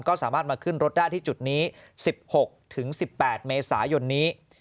ก็สามารถมาขึ้นรถได้ที่จุดนี้๑๖๑๘เมษายนนี้